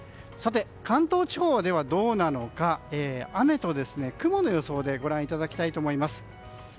関東地方ではどうなのか雨と雲の予想でご覧いただきたいと思います。